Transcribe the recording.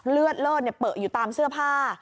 เลือดเลิศเปลืออยู่ตามเสื้อผ้า